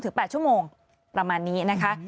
๘ชั่วโมงประมาณนี้นะคะ